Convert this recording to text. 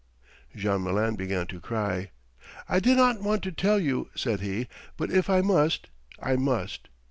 Jean Malin began to cry. "I did not want to tell you," said he, "but if I must I must.